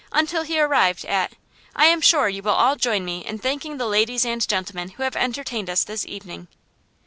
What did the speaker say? until he arrived at "I am sure you will all join me in thanking the ladies and gentlemen who have entertained us this evening."